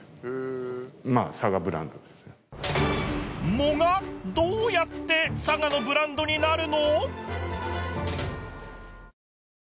藻がどうやって佐賀のブランドになるの！？